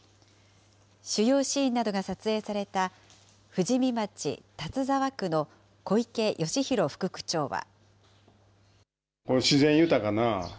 主要シーンなどが撮影された、富士見町立沢区の小池義弘副区長は。